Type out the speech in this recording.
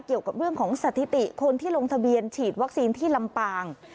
เกี่ยวกับเรื่องของสถิติคนที่ลงทะเบียนฉีดวัคซีนที่ลำปาง